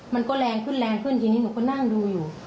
มันก็แรงขึ้นแรงขึ้นทีนี้หนูก็นั่งดูอยู่